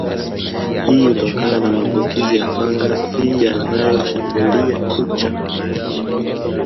Hii hutokana na maambukizi ya fangasi yanayoshambulia kucha